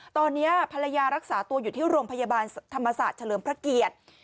ตอนนี้ภรรยารักษาตัวอยู่ที่โรงพยาบาลธรรมศาสตร์เฉลิมพระเกียรติ